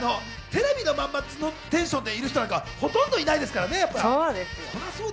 テレビのまんまのテンションでいる人なんかほとんどいないですからね。